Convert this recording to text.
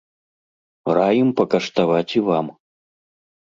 Раім пакаштаваць і вам.